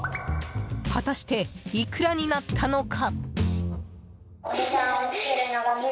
果たして、いくらになったのか。